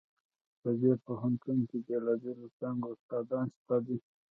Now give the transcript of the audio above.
په دې پوهنتون کې د بیلابیلو څانګو استادان شته دي